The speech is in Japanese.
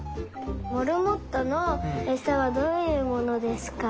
モルモットのえさはどういうものですか？